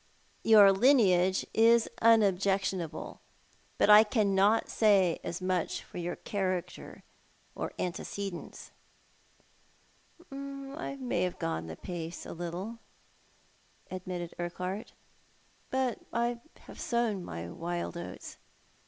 Your lineage is unobjectionable ; but I cannot say as much for your character or antecedents," " I may have gone the pace a little," admitted Urquhart ;" but I have sown my wild oats."